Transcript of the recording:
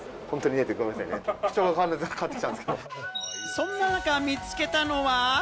そんな中、見つけたのは。